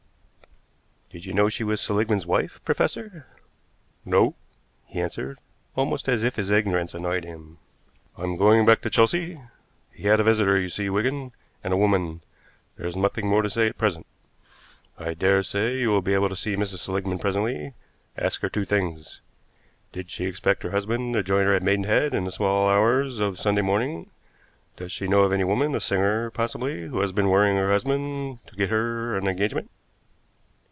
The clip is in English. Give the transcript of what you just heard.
"Did you know she was Seligmann's wife, professor?" "No," he answered, almost as if his ignorance annoyed him. "I'm going back to Chelsea. He had a visitor, you see, Wigan, and a woman. There is nothing more to say at present. I dare say you will be able to see Mrs. Seligmann presently; ask her two things: Did she expect her husband to join her at Maidenhead in the small hours of Sunday morning? Does she know of any woman, a singer possibly, who has been worrying her husband to get her an engagement?"